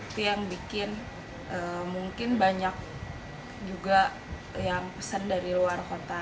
itu yang bikin mungkin banyak juga yang pesen dari luar kota